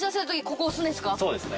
そうですね。